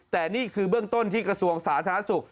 แต่นี่คือเบื้องต้นที่กระทรวงสาธารณสุข